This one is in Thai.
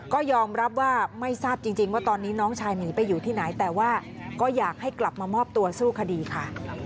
ก็ยอมรับว่าไม่ทราบจริงว่าตอนนี้น้องชายหนีไปอยู่ที่ไหนแต่ว่าก็อยากให้กลับมามอบตัวสู้คดีค่ะ